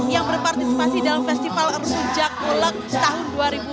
yang berpartisipasi dalam festival sejak ulek tahun dua ribu dua puluh